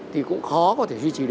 thì cũng khó có thể duy trì được